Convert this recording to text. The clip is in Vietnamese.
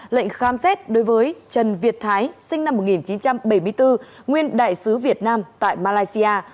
lệnh khám xét đối với trần việt thái sinh năm một nghìn chín trăm bảy mươi bốn nguyên đại sứ việt nam tại malaysia